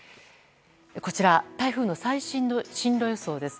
こちら台風の最新の進路予想です。